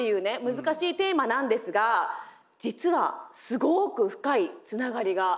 難しいテーマなんですが実はすごく深いつながりがあるんですよね。